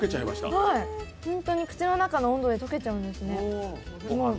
ホントに口の中の温度で溶けちゃうんですね。